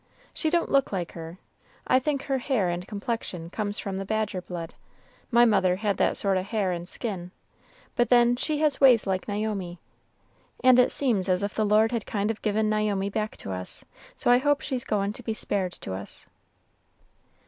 She don't look like her. I think her hair and complexion comes from the Badger blood; my mother had that sort o' hair and skin, but then she has ways like Naomi, and it seems as if the Lord had kind o' given Naomi back to us; so I hope she's goin' to be spared to us."